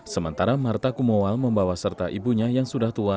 sementara marta kumoal membawa serta ibunya yang sudah tua